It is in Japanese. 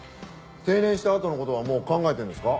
定年したあとの事はもう考えてるんですか？